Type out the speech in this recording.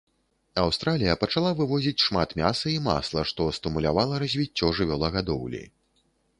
Аўстралія пачала вывозіць шмат мяса і масла, што стымулявала развіццё жывёлагадоўлі.